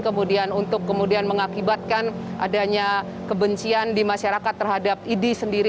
kemudian untuk kemudian mengakibatkan adanya kebencian di masyarakat terhadap idi sendiri